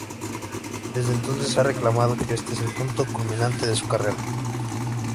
Desde entonces, ha reclamado que este es el punto culminante de su carrera.